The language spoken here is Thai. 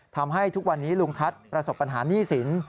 ทำให้ทุกวันนี้ลุงทัศน์ประสบปัญหาหนี้สิน